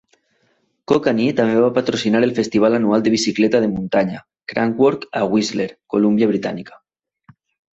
Kokanee també va patrocinar el festival anual de bicicleta de muntanya Crankworx a Whistler, Colúmbia Britànica.